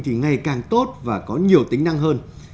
thì ngày càng tốt và có nhiều tính năng hơn